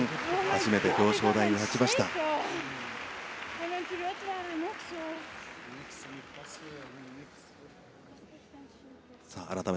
初めて表彰台に立ちました。